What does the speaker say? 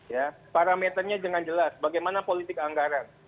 ya parameternya dengan jelas bagaimana politik anggaran